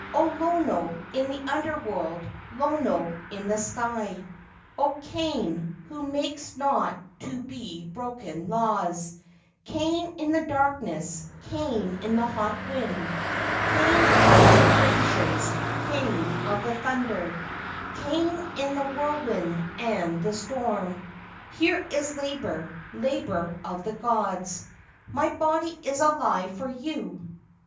O Lono in the Under world, Lono in the sky: O Kane, who makes not to be broken laws, Kane in the darkness, Kane in the hot wind, Kane of the generations, Kane of the thunder, Kane in the whirlwind and the storm: Here is labor—labor of the gods. My body is alive for you!